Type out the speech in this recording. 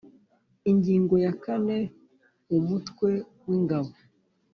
Ingingo ya kane Umutwe w’Ingabo